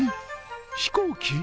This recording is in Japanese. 飛行機？